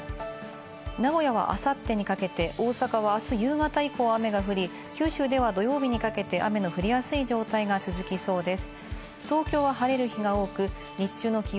名古屋はあさってにかけて、大阪はあす夕方以降、雨が降り、九州では土曜日にかけて雨の降りやすい状態が続きそうです。